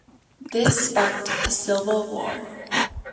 This sparked a civil war.